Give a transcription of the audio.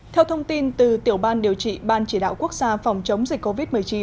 theo thông tin từ tiểu ban điều trị ban chỉ đạo quốc gia phòng chống dịch covid một mươi chín